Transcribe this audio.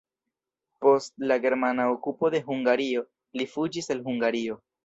Post la germana okupo de Hungario li fuĝis el Hungario.